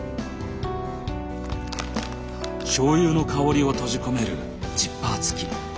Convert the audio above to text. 醤油の香りを閉じ込めるジッパー付き。